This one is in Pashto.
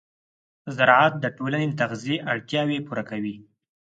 زراعت د ټولنې د تغذیې اړتیاوې پوره کوي.